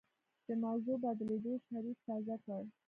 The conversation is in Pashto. د موضوع بدلېدو شريف تازه کړ.